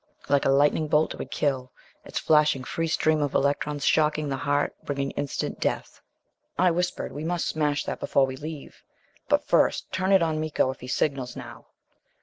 Like a lightning bolt, it would kill its flashing free stream of electrons shocking the heart, bringing instant death. I whispered, "We must smash that before we leave! But first turn it on Miko, if he signals now."